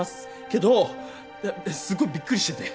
けどえっすごいびっくりしてて。